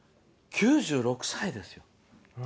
９６歳ですよ。